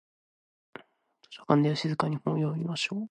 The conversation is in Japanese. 図書館では静かに本を読みましょう。